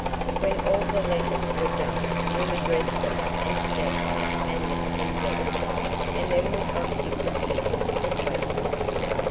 When all the letters were done we addressed them and stamped them and licked them down, and then we got different people to post them.